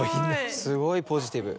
すごいポジティブ。